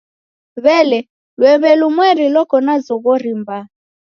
W'ele, lwembe lumweri loko na zoghori mbaa?